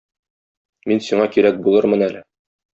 Мин сиңа кирәк булырмын әле.